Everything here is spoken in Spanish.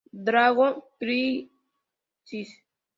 Dragon Crisis!